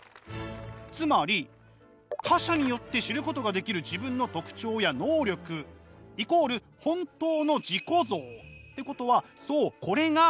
つまり他者によって知ることができる自分の特徴や能力イコール本当の自己像。ってことはそうこれが「自律」なんです！